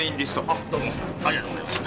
あどうもありがとうございます。